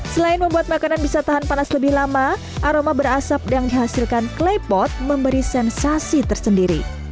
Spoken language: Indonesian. selain membuat makanan bisa tahan panas lebih lama aroma berasap yang dihasilkan klepot memberi sensasi tersendiri